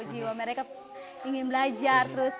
jiwa mereka ingin belajar terus